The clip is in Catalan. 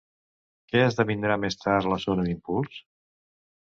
Què esdevindria més tard la zona d'impuls?